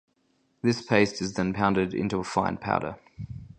This paste is then pounded into a fine powder.